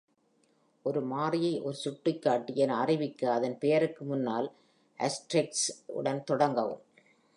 ஒரு மாறியை ஒரு சுட்டிக்காட்டி என அறிவிக்க, அதன் பெயருக்கு முன்னால் ஆஸ்டெரிஸ்க் உடன் தொடங்கவும்.